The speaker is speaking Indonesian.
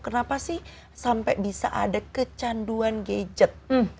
kenapa sih sampai bisa ada kecanduan gadget